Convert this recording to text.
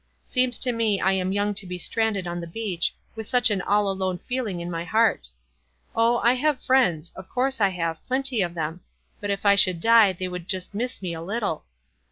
Seems to me I am young to be stranded on the beach, with such an ail alone feeling in my heart. Oh, I have friends — of course I have, plenty of them ; but if I should die they would just miss me a little.